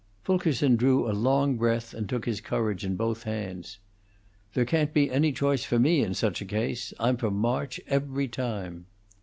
Fulkerson drew a long breath and took his courage in both hands. "There can't be any choice for me in such a case. I'm for March, every time."